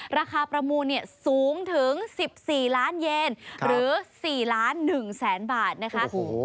ประมูลสูงถึง๑๔ล้านเยนหรือ๔ล้าน๑แสนบาทนะคะ